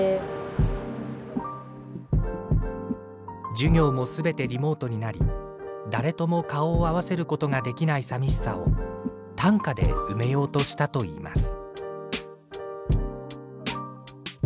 授業も全てリモートになり誰とも顔を合わせることができない寂しさを短歌で埋めようとしたといいます。